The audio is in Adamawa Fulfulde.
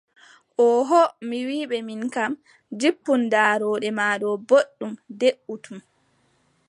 Ooho mi wii ɓe min kam, jippun daarooɗe ma ɗo booɗɗum, deʼutu.